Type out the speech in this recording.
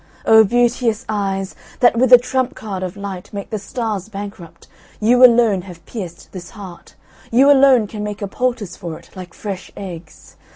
O beauteous eyes, that with a trump card of light make the stars bankrupt, you alone have pierced this heart, you alone can make a poultice for it like fresh eggs!